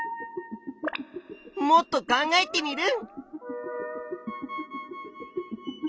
もっと考えテミルン。